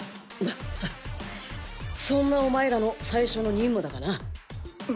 フフッそんなお前らの最初の任務だがな。